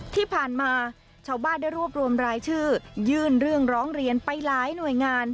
ที่ผ่านมาชาวบ้านได้รวบรวมรายชื่อยื่นเรื่องร้องเรียนไปหลายหน่วยงาน